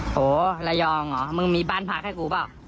โหระยองเหรอมึงมีบ้านพักให้กูเปล่า